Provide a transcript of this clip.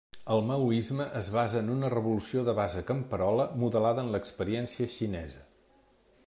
El maoisme es basa en una revolució de base camperola, modelada en l'experiència xinesa.